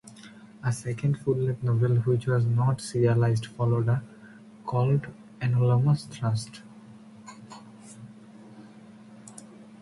A second full-length novel which was not serialised followed called "Anomalous Thrust".